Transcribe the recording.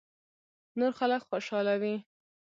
نور خلک خوشاله وي .